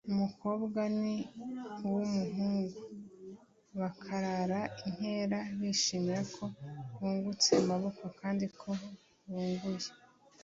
’umukobwa n’iw‘umuhungu bakarara inkera bishimira ko bungutse amaboko, abandi ko bunguye